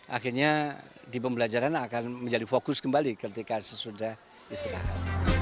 akhirnya di pembelajaran akan menjadi fokus kembali ketika sesudah istirahat